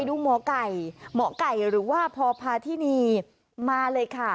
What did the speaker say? ดูหมอไก่หมอไก่หรือว่าพอพาทินีมาเลยค่ะ